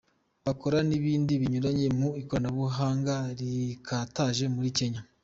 Bakora n’ibindi binyuranye mu ikoranabuhanga rikataje muri Kenya.